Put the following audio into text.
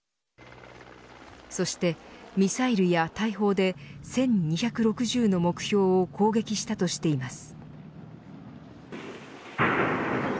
そしてミサイルや大砲で１２６０の目標を攻撃したとしています。